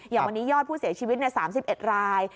อย่างวันนี้ยอดผู้เสียชีวิต๓๑ราย